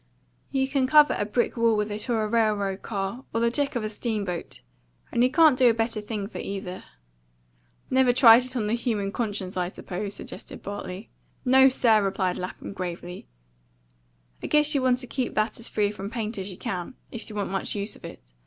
You can cover a brick wall with it, or a railroad car, or the deck of a steamboat, and you can't do a better thing for either." "Never tried it on the human conscience, I suppose," suggested Bartley. "No, sir," replied Lapham gravely. "I guess you want to keep that as free from paint as you can, if you want much use of it.